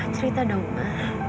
cerita dong ma